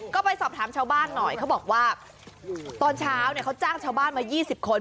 ก็ไปสอบถามชาวบ้านหน่อยเขาบอกว่าตอนเช้าเนี่ยเขาจ้างชาวบ้านมา๒๐คน